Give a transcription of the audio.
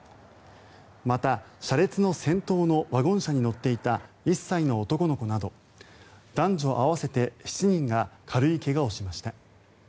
また、車列の先頭のワゴン車に乗っていた１歳の男の子など男女合わせて７人が軽い怪我をしました。